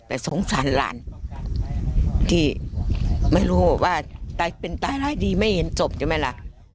แต่สงสารหลานที่ไม่รู้ว่าเป็นตายร้ายดีไม่เห็นศพใช่ไหมล่ะ